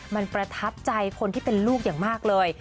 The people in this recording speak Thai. มันประทับใจคนที่เป็นลูกอย่างมากเลย